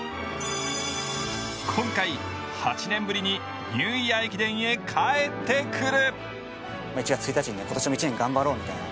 今回８年ぶりにニューイヤー駅伝へ帰ってくる。